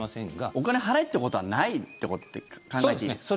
お金払えってことはないって考えていいですか？